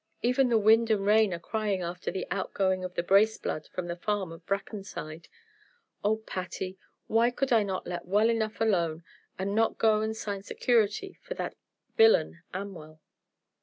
Even the wind and rain are crying after the out going of the Brace blood from the farm of Brackenside. Oh, Patty, why could I not let well enough alone, and not go and sign security for that villain, Amwell?"